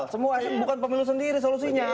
semua bukan pemilu sendiri solusinya